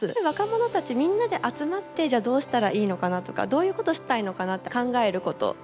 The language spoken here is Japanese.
若者たちみんなで集まってじゃあどうしたらいいのかなとかどういうことしたいのかなって考えること。